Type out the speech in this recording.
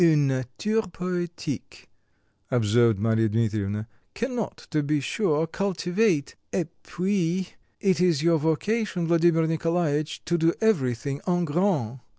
"Une nature poétique," observed Marya Dmitrievna, "cannot, to be sure, cultivate... et puis, it is your vocation, Vladimir Nikolaich, to do everything en grand."